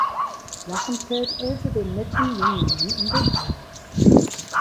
Lachend fällt Else dem netten jungen Mann um den Hals.